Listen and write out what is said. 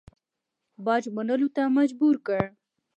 باج منلو ته مجبور کړ.